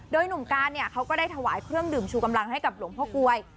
โดยหนุ่มการเนี่ยเขาก็ได้ถวายเครื่องดื่มชูกำลังให้กับหลวงพ่อกลวย